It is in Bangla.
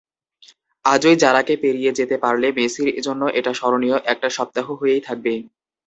আজই জারাকে পেরিয়ে যেতে পারলে মেসির জন্য এটা স্মরণীয় একটা সপ্তাহ হয়েই থাকবে।